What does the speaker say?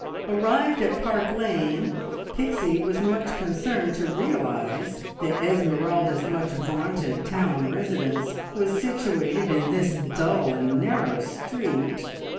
Arrived at Park Lane, Pixie was much concerned to realise that Esmeralda's much vaunted town residence was situated in this dull and narrow street!